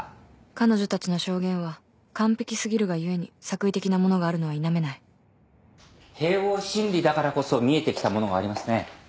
彼女たちの証言は完璧すぎるが故に作為的なものがあるのは否めない併合審理だからこそ見えてきたものがありますね。